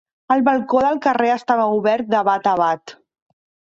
El balcó del carrer estava obert de bat a bat.